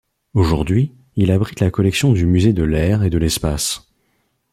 Aujourd'hui, il abrite la collection du musée de l'Air et de l'Espace.